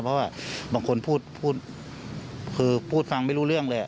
เพราะว่าบางคนพูดคือพูดฟังไม่รู้เรื่องเลย